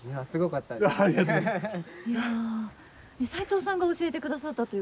齋藤さんが教えてくださったと。